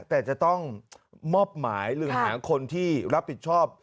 แต่จะต้องมอบหมายหรือหาคนที่รับผิดชอบ